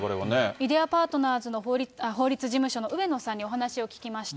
イデア・パートナーズの法律事務所の上野さんにお話を聞きました。